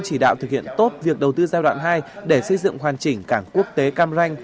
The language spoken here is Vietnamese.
chỉ đạo thực hiện tốt việc đầu tư giai đoạn hai để xây dựng hoàn chỉnh cảng quốc tế cam ranh